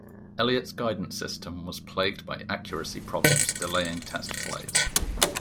Elliots guidance system was plagued by accuracy problems delaying test flights.